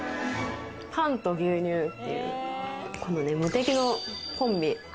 パンと牛乳っていう無敵のコンビ。